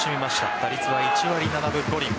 打率は１割７分５厘。